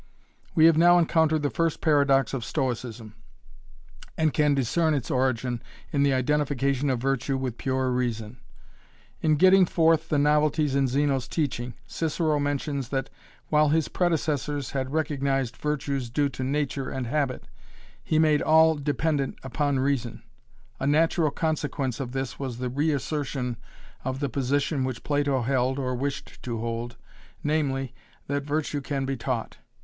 We have now encountered the first paradox of Stoicism, and can discern its origin in the identification of virtue with pure reason. In getting forth the novelties in Zeno's teaching, Cicero mentions that, while his predecessors had recognized virtues due to nature and habit, he made all dependent upon reason. A natural consequence of this was the reassertion of the position which Plato held or wished to hold, namely, that virtue can be taught.